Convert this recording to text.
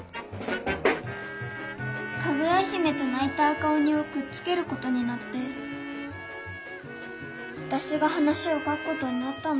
「かぐや姫」と「ないた赤おに」をくっつけることになってわたしが話を書くことになったんだけどさ。